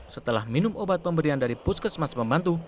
setelah minum obat pemberian dari puskesmas pembantu